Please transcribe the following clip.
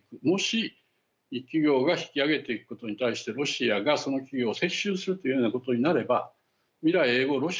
もし企業が引き揚げていくことに対してロシアがその企業を接収するというようなことになれば未来永ごう